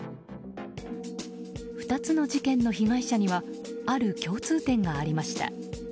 ２つの事件の被害者にはある共通点がありました。